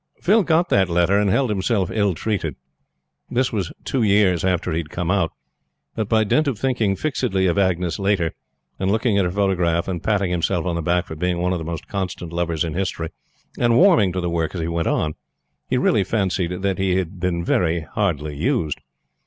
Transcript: Phil got that letter, and held himself ill treated. This was two years after he had come out; but by dint of thinking fixedly of Agnes Laiter, and looking at her photograph, and patting himself on the back for being one of the most constant lovers in history, and warming to the work as he went on, he really fancied that he had been very hardly used.